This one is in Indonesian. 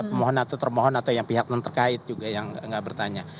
pemohon atau termohon atau yang pihak non terkait juga yang nggak bertanya